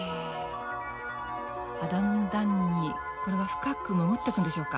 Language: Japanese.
だんだんにこれは深く潜っていくんでしょうか？